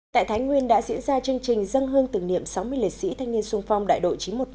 tại thái nguyên đã diễn ra chương trình dân hương tưởng niệm sáu mươi lệ sĩ thanh niên xuân phong đại độ chín trăm một mươi năm